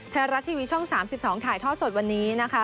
ไทยรัฐทีวีช่อง๓๒ถ่ายทอดสดวันนี้นะคะ